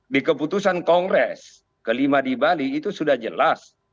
di keputusan kongres kelima di bali itu sudah jelas